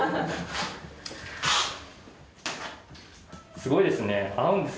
すごいですね。